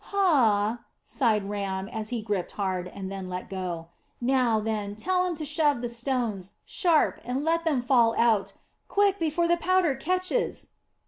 "Hah!" sighed Ram, as he gripped hard, and then let go. "Now, then, tell 'em to shove the stones, sharp, and let 'em fall out. Quick! Before the powder ketches."